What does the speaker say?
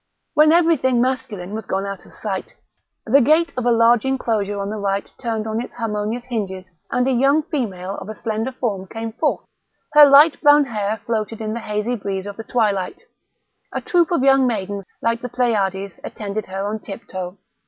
When everything masculine was gone out of sight the gate of a large enclosure on the right turned on its harmonious hinges and a young female of a slender form came forth; her light brown hair floated in the hazy breeze of the twilight; a troop of young maidens, like the Pleiades, attended her on tip toe.